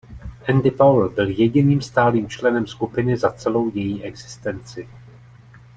Andy Powell byl jediným stálým členem skupiny za celou její existenci.